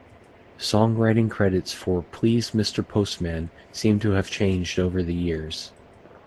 Songwriting credits for "Please Mr. Postman" seem to have changed over the years.